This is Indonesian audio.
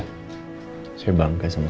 aku yang lebih bangga sama kamu mas